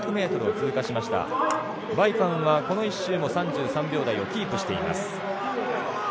梅韓はこの１周も３３秒台をキープしています。